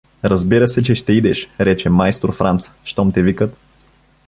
— Разбира се, че ще идеш — рече майстор Франц, — щом те викат.